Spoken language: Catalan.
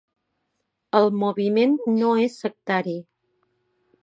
El moviment no és sectari.